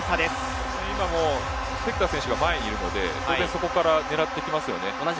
今も関田選手が前にいるのでそこで狙ってきますよね。